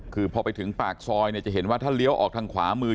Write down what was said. คือพอไปถึงปากซอยจะเห็นว่าถ้าเลี้ยวออกทางขวามือ